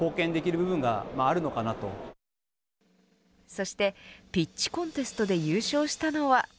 そして、ピッチコンテストで優勝したのは。